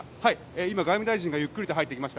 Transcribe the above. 今、外務大臣がゆっくりと入っていきました。